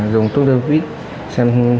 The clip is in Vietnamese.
dùng tốt đơn vịt xem xe nào